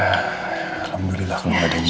alhamdulillah kemudian ada yang berat